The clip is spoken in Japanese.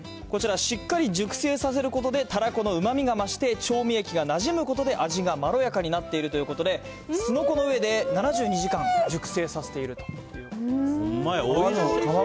こちら、しっかり熟成させることで、たらこのうまみが増して、調味液がなじむことで、味がまろやかになっているということで、すのこの上で７２時間熟成させているということなんですね。